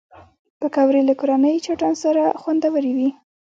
پکورې له کورني چټن سره خوندورې وي